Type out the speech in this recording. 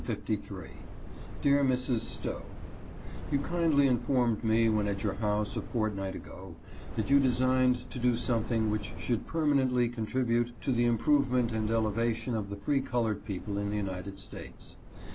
My Dear Mrs. Stowe : You kindly informed me, when at your house a fortnight ago, that you designed to do something which should permanently contribute to the improvement and elevation of the free colored people in the United States.